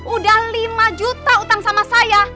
udah lima juta utang sama saya